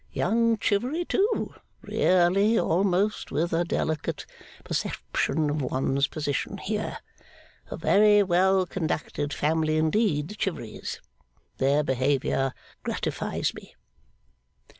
Young Chivery, too; really almost with a delicate perception of one's position here. A very well conducted family indeed, the Chiveries. Their behaviour gratifies me.